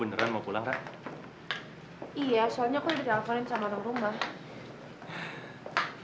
iya soalnya aku udah dialfonin sama rumah